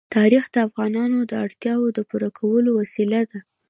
تاریخ د افغانانو د اړتیاوو د پوره کولو وسیله ده.